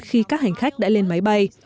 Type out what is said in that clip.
khi các hành khách đã lên máy bay